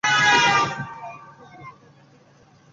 এইসব মুহূর্তে তিনি প্রতিপাদ্য ভাবটির সহিত সর্বতোভাবে এক হইয়া যাইতেন।